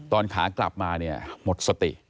ขากลับมาเนี่ยหมดสติ